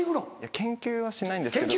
研究はしないんですけど。